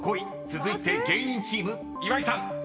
続いて芸人チーム岩井さん］